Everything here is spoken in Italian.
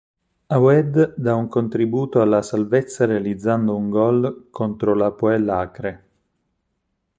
Awaed dà un contributo alla salvezza realizzando un gol contro l'Hapoel Acre.